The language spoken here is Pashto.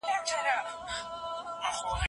املا د ذهن او لاس د همغږۍ یوه نمونه ده.